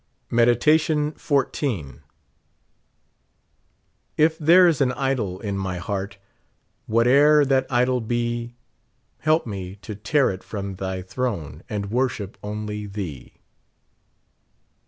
63 Meditation XIV. If there's an idol in my heart, Whate'er that idol be ; y JFIelp me to tear it Trom thy throne, And worship only thee.